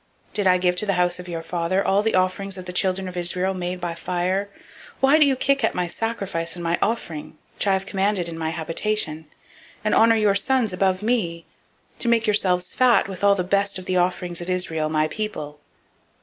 and did I give to the house of your father all the offerings of the children of Israel made by fire? 002:029 Why kick you at my sacrifice and at my offering, which I have commanded in [my] habitation, and honor your sons above me, to make yourselves fat with the best of all the offerings of Israel my people?